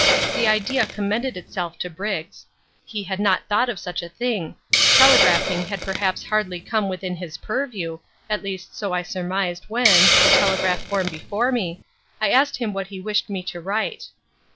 The idea commended itself to Briggs: he had not thought of such a thing: telegraphing had perhaps hardly come within his purview, at least so I surmised when, the telegraph form before me, I asked him what he wished me to write.